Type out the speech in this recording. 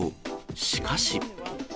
しかし。